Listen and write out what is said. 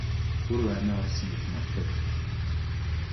Өөрөө амиа хорлосон гэдэг нь ортой байх.